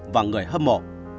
và người hâm mộ